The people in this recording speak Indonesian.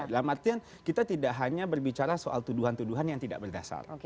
dalam artian kita tidak hanya berbicara soal tuduhan tuduhan yang tidak berdasar